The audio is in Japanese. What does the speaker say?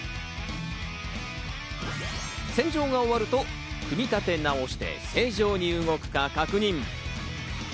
洗浄が終わると、組み立て直して正常に動くか確認。